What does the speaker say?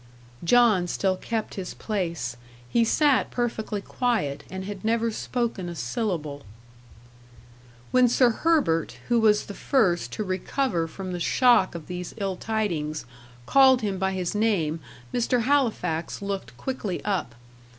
John still kept his place. He sat perfectly quiet, and had never spoken a syllable. When Sir Herbert, who was the first to recover from the shock of these ill tidings, called him by his name, Mr. Halifax looked quickly up.